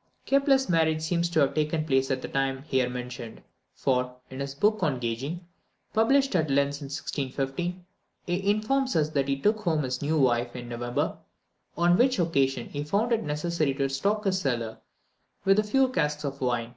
" Life of Kepler, chap. vi. Kepler's marriage seems to have taken place at the time here mentioned; for, in his book on gauging, published at Linz in 1615, he informs us that he took home his new wife in November, on which occasion he found it necessary to stock his cellar with a few casks of wine.